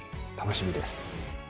楽しみです。